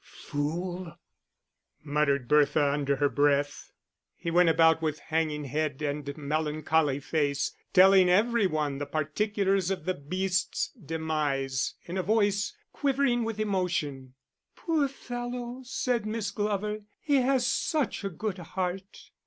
"Fool!" muttered Bertha, under her breath. He went about with hanging head and melancholy face, telling every one the particulars of the beast's demise, in a voice quivering with emotion. "Poor fellow!" said Miss Glover. "He has such a good heart."